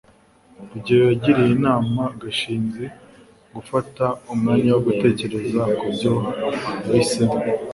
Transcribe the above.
rugeyo yagiriye inama gashinzi gufata umwanya wo gutekereza kubyo yahisemo